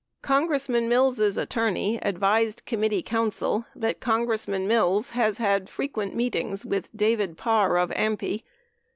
... 12 Congressman Mills' attorney advised committee counsel that Con gressman Mills has had frequent meetings with David Parr of AMPI.